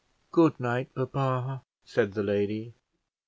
"Good night, papa," said the lady.